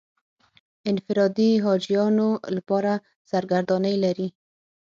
انفرادي حاجیانو لپاره سرګردانۍ لري.